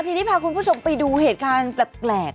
ทีนี้พาคุณผู้ชมไปดูเหตุการณ์แปลก